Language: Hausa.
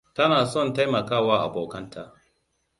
Tana son taimakawa abokanta.